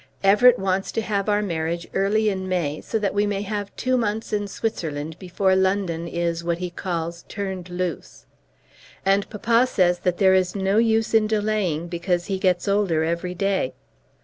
Everett wants to have our marriage early in May, so that we may have two months in Switzerland before London is what he calls turned loose. And papa says that there is no use in delaying, because he gets older every day.